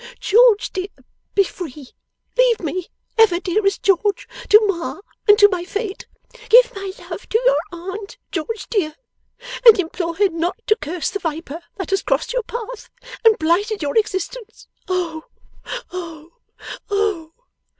George, dear, be free! Leave me, ever dearest George, to Ma and to my fate. Give my love to your aunt, George dear, and implore her not to curse the viper that has crossed your path and blighted your existence. Oh, oh, oh!